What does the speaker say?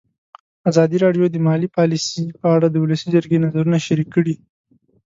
ازادي راډیو د مالي پالیسي په اړه د ولسي جرګې نظرونه شریک کړي.